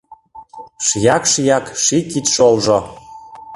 Шияк-шияк ший кидшолжо